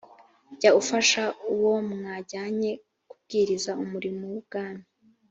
jya ufasha uwo mwajyanye kubwiriza umurimo w’ubwami